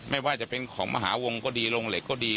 ไม่ว่าจะเป็นของมหาวงก็ดีโรงเหล็กก็ดี